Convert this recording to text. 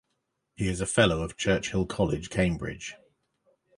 He is a fellow of Churchill College, Cambridge.